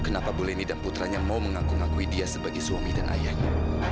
kenapa bu leni dan putranya mau mengaku ngakui dia sebagai suami dan ayahnya